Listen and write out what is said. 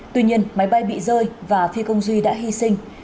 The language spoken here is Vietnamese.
tuy nhiên máy bay bị rơi và phi công duy đã hy sinh